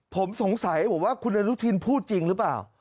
ผมสงสัยผมว่าคุณอนุทินพูดจริงหรือเปล่า